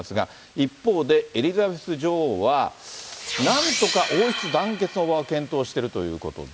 一方で、エリザベス女王は、なんとか王室団結の場を検討しているということで。